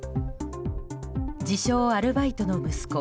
自称アルバイトの息子